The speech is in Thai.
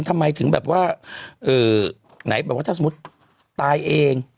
ทำไมถึงแบบว่าไหนแบบว่าถ้าสมมุติตายเอง